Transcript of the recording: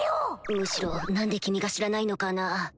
むしろ何で君が知らないのかな